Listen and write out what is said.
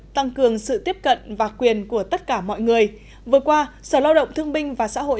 tăng cường sự tiếp cận và quyền của tất cả mọi người vừa qua sở lao động thương binh và xã hội